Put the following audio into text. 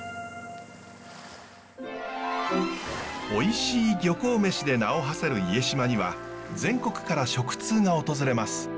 おいしい漁港めしで名をはせる家島には全国から食通が訪れます。